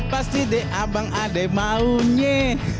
pasti deh abang adek maunya